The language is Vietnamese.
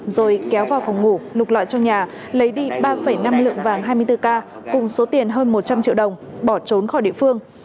rồi kéo vào phòng ngủ nục lọi trong nhà lấy đi ba năm lượng vàng hai mươi bốn k cùng số tiền hơn một trăm linh triệu đồng bỏ trốn khỏi địa phương